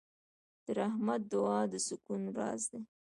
د رحمت دعا د سکون راز دی.